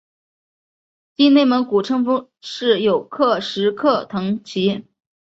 今内蒙古赤峰市有克什克腾旗。